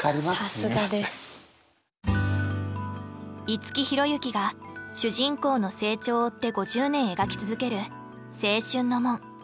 五木寛之が主人公の成長を追って５０年描き続ける「青春の門」。